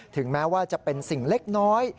ถึงแม้ว่าจะเป็นสิ่งเล็กน้อย